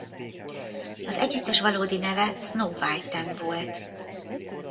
Az együttes valódi neve Snow White Tan volt.